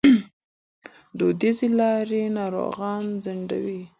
دودیزې لارې ناروغان ځنډوي.